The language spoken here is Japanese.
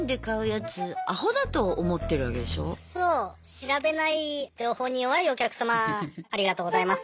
調べない情報に弱いお客様ありがとうございます。